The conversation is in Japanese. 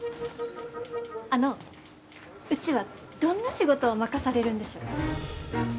あのうちはどんな仕事を任されるんでしょう？